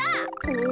お！